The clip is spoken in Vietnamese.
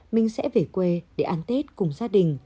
minh sẽ về quê để ăn tết cùng gia đình